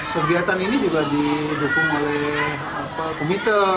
kegiatan ini juga didukung oleh komite